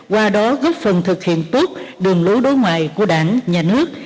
qua đó góp phần thực hiện tốt đường lối đối ngoại của đảng nhà nước